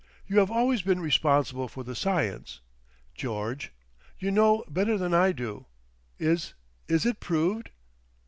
You have always been responsible for the science. George. You know better than I do. Is—Is it proved?"